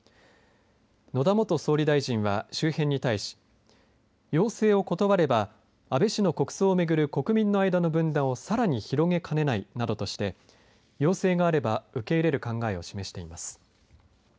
野田元総理大臣は周辺に対し要請を断れば安倍氏の国葬を巡る国民の間の分断をさらに広げかねないなどとして要請があれば受け入れる考えを示しています。